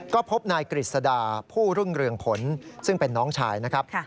ก็พบนายกฤษดาผู้รุ่งเรืองผลซึ่งเป็นน้องชายนะครับ